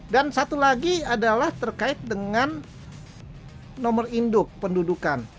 dan satu lagi adalah terkait dengan nomor induk pendudukan